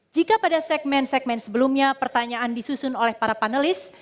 jika pada segmen segmen sebelumnya pertanyaan disusun oleh para panelis